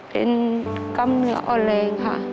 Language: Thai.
เป็นกล้ามเนื้ออ่อนแรงค่ะ